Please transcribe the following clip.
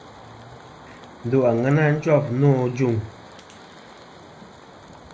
Ndo àŋena jof nô ajuŋ.